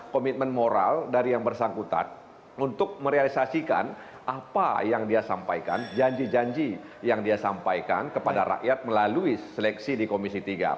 komitmen moral dari yang bersangkutan untuk merealisasikan apa yang dia sampaikan janji janji yang dia sampaikan kepada rakyat melalui seleksi di komisi tiga